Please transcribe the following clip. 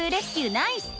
ナイス！